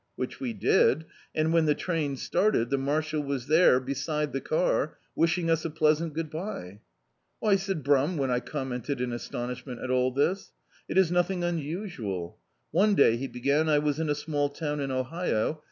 Which we did, and when the train started, the mar shal was there, beside the car, wishing us a pleasant good bye. "Why," said Brum, when I commented in astonishment at all this, "it is nothing unusual. One day," he began, "I was in a small town in Ohio.